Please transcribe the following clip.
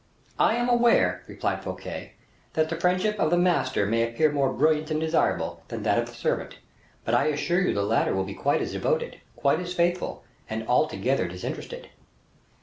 "I am aware," replied Fouquet, "that the friendship of the master may appear more brilliant and desirable than that of the servant; but I assure you the latter will be quite as devoted, quite as faithful, and altogether disinterested."